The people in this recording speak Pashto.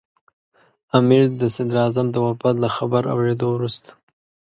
امیر د صدراعظم د وفات له خبر اورېدو وروسته.